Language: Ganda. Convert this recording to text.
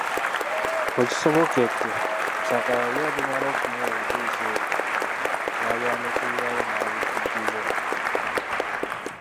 We kisobokedde, kyagala oli olumala okumuwa ebibuuzo ebyo, n’abyanukulirawo n’abikuddiza.